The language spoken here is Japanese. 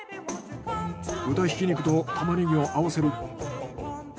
豚挽肉とタマネギを合わせる。